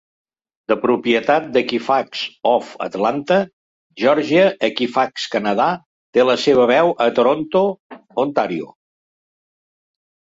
De propietat d"Equifax of Atlanta, Georgia, Equifax Canada té la seva seu a Toronto, Ontario.